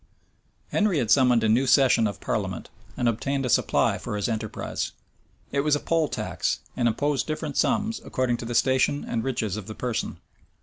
Henry had summoned a new session of parliament,[] and obtained a supply for his enterprise. It was a poll tax, and imposed different sums, according to the station and riches of the person.